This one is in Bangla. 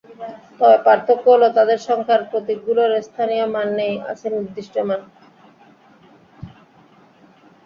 তবে পার্থক্য হলো তাদের সংখ্যার প্রতীকগুলোর স্থানীয় মান নেই, আছে নির্দিষ্ট মান।